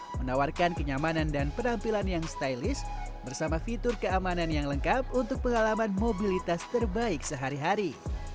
menawarkan kenyamanan dan penampilan yang stylist bersama fitur keamanan yang lengkap untuk pengalaman mobilitas terbaik sehari hari